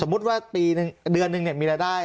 สมมุติว่าปีนึงเดือนนึงเนี่ยมีรายได้๕๐๐๐๐